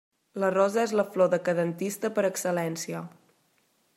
La rosa és la flor decadentista per excel·lència.